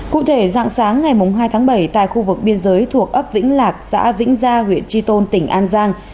cụ thể dạng sáng ngày hai tháng bảy tại khu vực biên giới thuộc ấp vĩnh lạc xã vĩnh gia huyện tri tôn tỉnh an giang